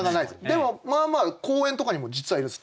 でもまあまあ公園とかにも実はいるんです。